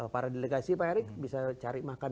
para delegasi pak erick bisa cari makan